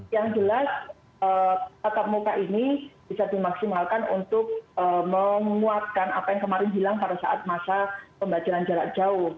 yang jelas tatap muka ini bisa dimaksimalkan untuk menguatkan apa yang kemarin hilang pada saat masa pembelajaran jarak jauh